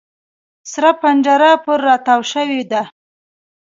سره پنجره پر را تاو شوې ده.